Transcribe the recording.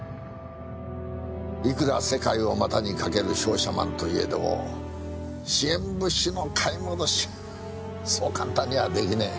いくら世界を股にかける商社マンと言えども支援物資の買い戻しそう簡単には出来ねえ。